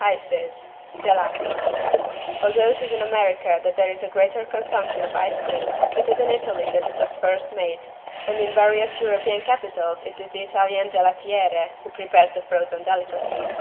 ICES (Gelati) Although it is in America that there is a greater consumption of ice cream, it is in Italy that it was first made, and in various European capitals it is the Italian =gelatiere= who prepares the frozen delicacy.